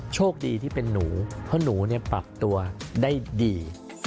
โชคดีที่เป็นหนูเพราะหนูปรับตัวได้ดี